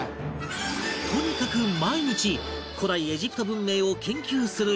とにかく毎日古代エジプト文明を研究する日々